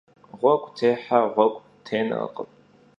Ğuegu têhe ğuegu tênerkhım.